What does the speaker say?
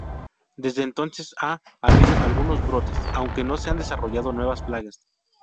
Desde entonces ha habido algunos brotes, aunque no se han desarrollado nuevas plagas.